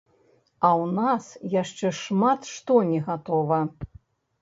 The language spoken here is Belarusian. А ў нас яшчэ шмат што не гатова.